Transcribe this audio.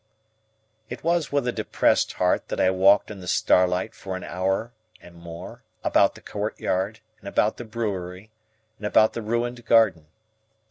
It was with a depressed heart that I walked in the starlight for an hour and more, about the courtyard, and about the brewery, and about the ruined garden.